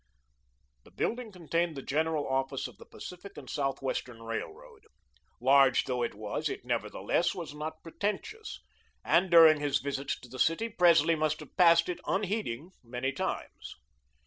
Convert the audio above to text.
The building contained the General Office of the Pacific and Southwestern Railroad. Large though it was, it nevertheless, was not pretentious, and during his visits to the city, Presley must have passed it, unheeding, many times.